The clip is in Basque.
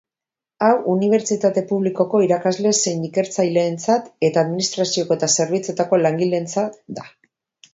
Hau Unibertsitate Publikoko irakasle zein ikertzaileentzat eta administrazioko eta zerbitzuetako langileentzat da.